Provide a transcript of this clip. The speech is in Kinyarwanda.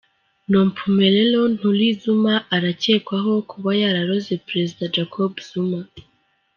Nompumelelo Ntuli-Zuma aracyekwaho kuba yararoze Perezida Jacob Zuma.